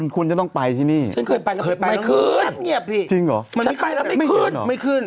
คุณจะต้องไปที่นี่ไม่ขึ้นจริงเหรอไม่ขึ้น